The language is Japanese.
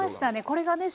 これがね